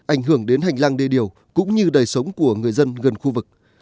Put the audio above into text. ảnh hưởng đến hành lang đê điều cũng như đời sống của người dân gần khu vực